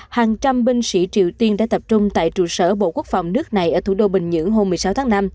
hàng trăm binh sĩ triều tiên đã tập trung tại trụ sở bộ quốc phòng nước này ở thủ đô bình nhưỡng hôm một mươi sáu tháng năm